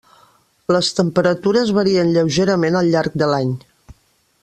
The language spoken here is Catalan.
Les temperatures varien lleugerament al llarg de l'any.